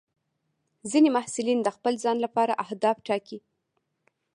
ځینې محصلین د خپل ځان لپاره اهداف ټاکي.